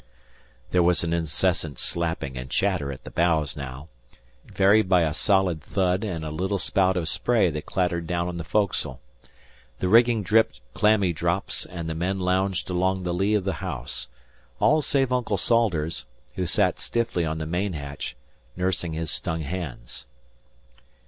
There was an incessant slapping and chatter at the bows now, varied by a solid thud and a little spout of spray that clattered down on the foc'sle. The rigging dripped clammy drops, and the men lounged along the lee of the house all save Uncle Salters, who sat stiffly on the main hatch nursing his stung hands.